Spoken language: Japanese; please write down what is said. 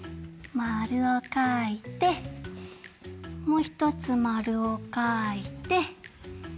まるをかいてもうひとつまるをかいて。